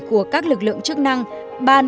của các lực lượng chức năng ban